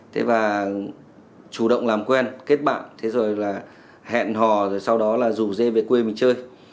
thế và chủ động làm quen kết bạn thế rồi là hẹn hò rồi sau đó là rủ dê về quê mình chơi